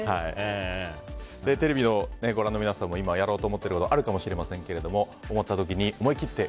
テレビをご覧の皆さんもやろうと思っていることあるかもしれませんが思った時に思い切ってＧＯ！